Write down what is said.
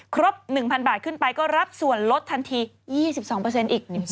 ครบ๑๐๐บาทขึ้นไปก็รับส่วนลดทันที๒๒อีก